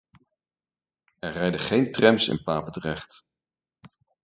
Er rijden geen trams in Papendrecht.